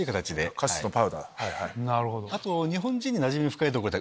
あと日本人になじみ深いところで。